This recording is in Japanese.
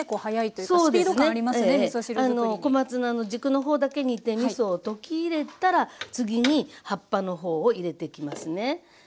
小松菜の軸の方だけ煮てみそを溶き入れたら次に葉っぱの方を入れてきますね。